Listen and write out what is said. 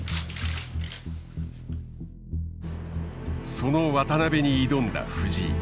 その渡辺に挑んだ藤井。